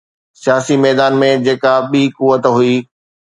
سياسي ميدان ۾ جيڪا ٻي قوت هئي.